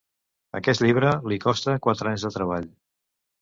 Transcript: Aquest llibre li costa quatre anys de treball.